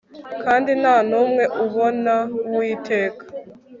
kandi nta numwe ubona Uwiteka